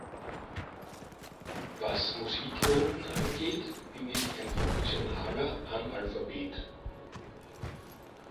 Was Musiknoten angeht, bin ich ein funktionaler Analphabet.